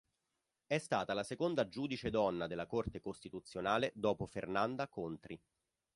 È stata la seconda Giudice donna della Corte costituzionale dopo Fernanda Contri.